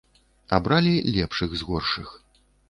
Абралі лепшых з горшых.